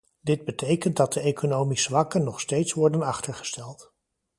Dit betekent dat de economisch zwakken nog steeds worden achtergesteld.